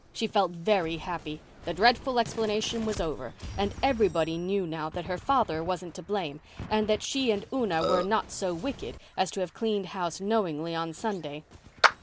She felt very happy. The dreadful explanation was over and everybody knew now that her father wasn't to blame and that she and Una were not so wicked as to have cleaned house knowingly on Sunday.